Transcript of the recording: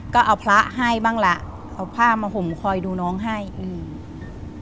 ก็เอาพระให้บ้างล่ะเอาผ้ามาห่มคอยดูน้องให้อืม